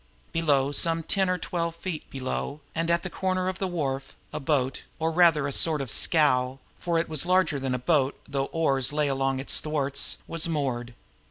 Below, some ten or twelve feet below, and at the corner of the wharf, a boat, or, rather, a sort of scow, for it was larger than a boat though oars lay along its thwarts, was moored.